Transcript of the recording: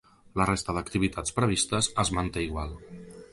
La resta d’activitats previstes es manté igual.